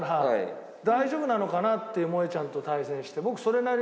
大丈夫なのかなって。もえちゃんと対戦して。